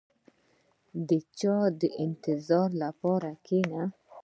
• د چا د انتظار لپاره کښېنه.